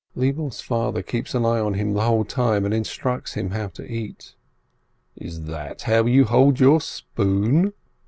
Lebele's father keeps an eye on him the whole time, and instructs him how to eat. "Is that how you hold your spoon?"